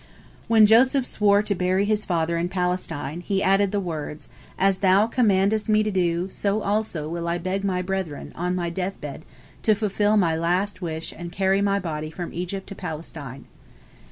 When Joseph swore to bury his father in Palestine, he added the words, "As thou commandest me to do, so also will I beg my brethren, on my death bed, to fulfil my last wish and carry my body from Egypt to Palestine."